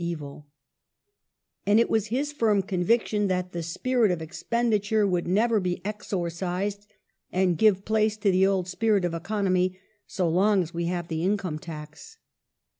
1865] THE EXCHEQUER AND AUDIT ACT evil," ^ and it was his firm conviction that the " spirit of expenditure " would never be exorcised and "give place to the old spirit of economy, so long as we have the income tax